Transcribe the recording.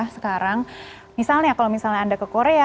sekarang misalnya kalau misalnya anda ke korea